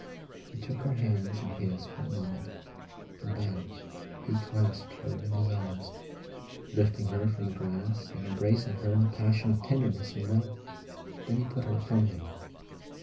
He took her hands in his for a moment, and then he clasped her in his arms, lifting her from the grass and embracing her in a passion of tenderness and love. Then he put her from him.